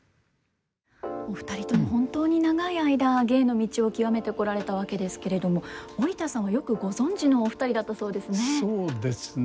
お二人とも本当に長い間芸の道を極めてこられたわけですけれども織田さんはよくご存じのお二人だったそうですね？